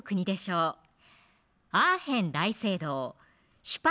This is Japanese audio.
アーヘン大聖堂・シュパ